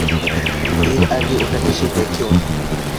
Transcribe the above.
এর আগে ওটাকে সে দেখেওনি।